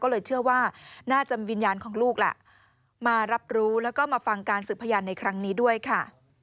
ก็เลยเชื่อว่าน่าจะวิญญาณของลูกแหละมารับรู้แล้วก็มาฟังการสืบพยานในครั้งนี้ด้วยค่ะ